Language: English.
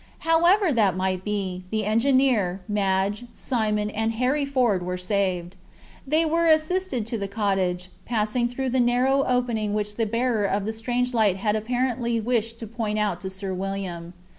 However that might be, the engineer, Madge, Simon, and Harry Ford were saved. They were assisted to the cottage, passing through the narrow opening which the bearer of the strange light had apparently wished to point out to Sir William.